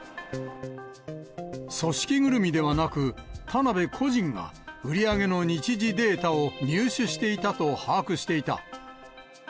組織ぐるみではなく、田辺個人が売り上げの日時データを入手していたと把握していた。